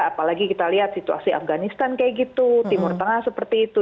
apalagi kita lihat situasi afganistan kayak gitu timur tengah seperti itu